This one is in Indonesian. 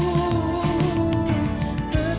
tetaplah disini denganku